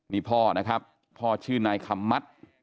นี่พ่อนะครับพ่อชื่อนายคำมัติ